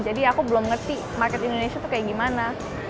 jadi aku belum ngerti market indonesia itu kayak gimana